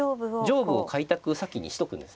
上部を開拓先にしとくんですね。